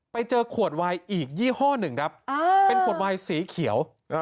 ไปเจอขวดวายอีกยี่ห้อหนึ่งครับเป็นขวดวายสีเขียว